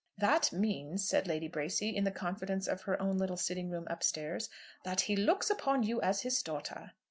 "That means," said Lady Bracy in the confidence of her own little sitting room up stairs, "that he looks upon you as his daughter."